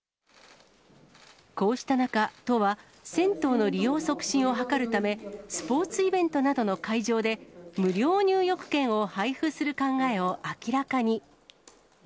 こうした中、都は銭湯の利用促進を図るため、スポーツイベントなどの会場で、無料入浴券を配布する考えを明らかに。